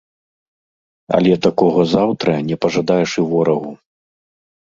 Але такога заўтра не пажадаеш і ворагу.